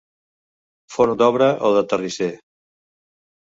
Forn d'obra o de terrisser.